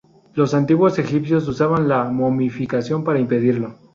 Los antiguos egipcios usaban la momificación para impedirlo.